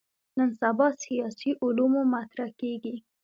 نن سبا سیاسي علومو مطرح کېږي.